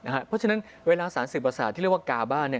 เพราะฉะนั้นเวลาสารศิลปศาสตร์ที่เรียกว่ากาบ่า